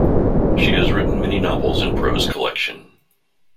She has written many novels in prose collection.